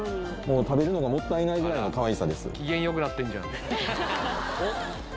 食べるのがもったいないぐらいのかわいさです